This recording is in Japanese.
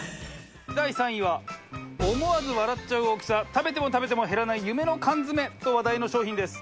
第３位は思わず笑っちゃう大きさ食べても食べても減らない夢の缶詰と話題の商品です。